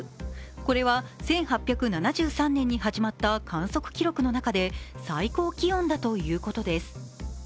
これは１８７３年に始まった観測記録の中で最高気温だということです。